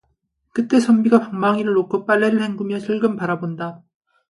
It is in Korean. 그때 선비가 방망이를 놓고 빨래를 헹구며 흘금 바라본다.